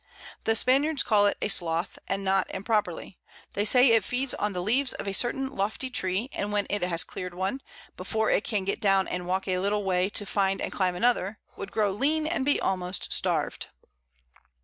The Spaniards call it a Sloth, and not improperly; they say it feeds on the Leaves of a certain lofty Tree, and when it has clear'd one, before it can get down and walk a little Way to find and climb another, would grow lean and be almost starved.